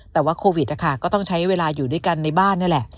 แต่ว่าโควิดนะคะก็ต้องใช้เวลาอยู่ด้วยกันในบ้านนี่แหละ